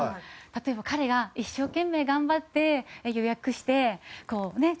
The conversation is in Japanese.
例えば彼が一生懸命頑張って予約してこうねえ